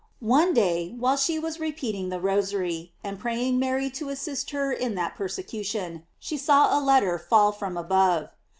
One day whilt she was repeating the Rosary, and praying Mary to assist her in that persecution, she saw a letter fall from above.